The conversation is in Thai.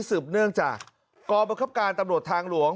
สืบเนื่องจากกรบังคับการตำรวจทางหลวง